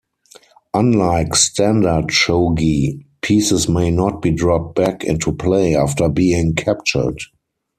Unlike standard shogi, pieces may not be dropped back into play after being captured.